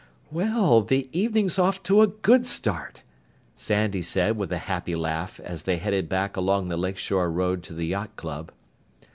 "Well, the evening's off to a good start," Sandy said with a happy laugh as they headed back along the lakeshore road to the yacht club.